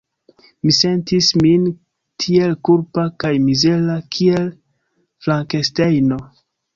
Mi sentis min tiel kulpa kaj mizera kiel Frankenstejno.